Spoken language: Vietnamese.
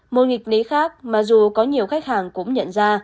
một nghịch lý khác mặc dù có nhiều khách hàng cũng nhận ra